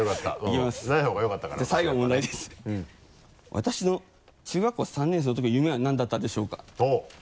私の中学校３年生のときの夢は何だったでしょうか？